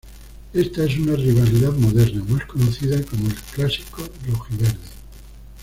Esta es una rivalidad moderna, más conocida como el clásico rojiverde.